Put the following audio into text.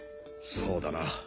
そうだな。